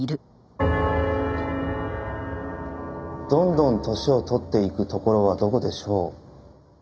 どんどん歳をとっていくところはどこでしょう？